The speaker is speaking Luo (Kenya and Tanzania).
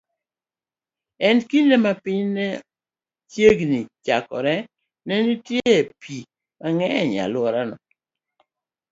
E kinde ma piny ne chiegni chakore, ne nitie pi mang'eny e alworano.